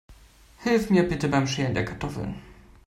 Hilf mir bitte beim Schälen der Kartoffeln.